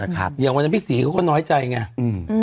อย่างวันนั้นพี่ศรีเขาก็น้อยใจไง